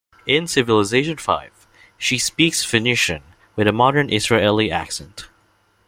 In Civilization V, she speaks Phoenician, with a modern Israeli accent.